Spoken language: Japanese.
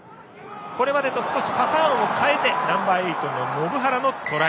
これまでと少しパターンを変えてナンバーエイトの延原のトライ。